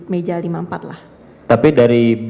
meja lima puluh empat lah tapi dari